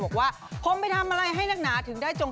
สนุกเพราะฉันเต้นทุกเบกจริง